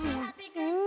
うん！